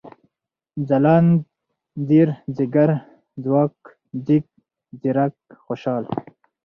ځلاند ، ځير ، ځيگر ، ځواک ، ځيږ ، ځيرک ، خوشال